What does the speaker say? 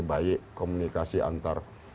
baik komunikasi antar